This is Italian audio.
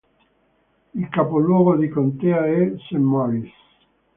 Il capoluogo di contea è St. Marys.